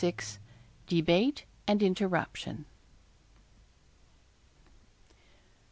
DEBATE AND INTERRUPTION.